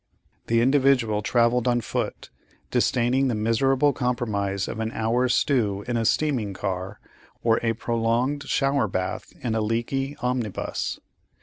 The "Individual" travelled on foot, disdaining the miserable compromise of an hour's stew in a steaming car, or a prolonged shower bath in a leaky omnibus.